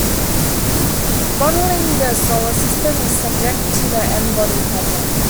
Modeling the Solar System is subject to the n-body problem.